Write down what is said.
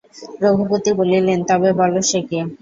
রঘুপতি বলিলেন, তবে বলো সে কে!